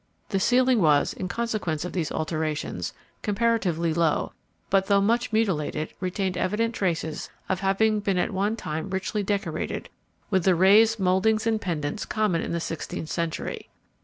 The ceiling was, in consequence of these alterations, comparatively low, but though much mutilated, retained evident traces of having been at one time richly decorated, with the raised mouldings and pendants common in the sixteenth century.